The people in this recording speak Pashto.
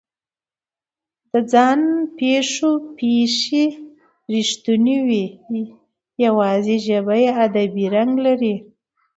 د ځان پېښو پېښې رښتونې وي، یواځې ژبه یې ادبي رنګ لري.